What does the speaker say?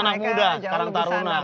anak anak muda sekarang taruna